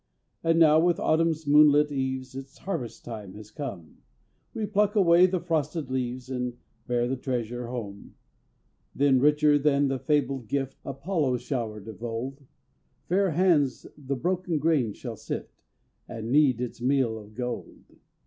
And now, with Autumn's moonlit eves, Its harvest time has come, We pluck away the frosted leaves, And bear the treasure home. Then, richer than the fabled gift Apollo showered of old, Fair hands the broken grain shall sift, And knead its meal of gold.